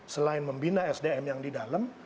selain membina sdm yang di dalam